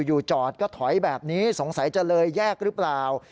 อยู่จอดก็ถอยแบบนี้สงสัยจะเลยแยกหรือเปล่า